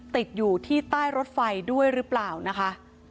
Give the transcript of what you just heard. ติดอยู่ที่ใต้รถไฟด้วยหรือเปล่านะคะ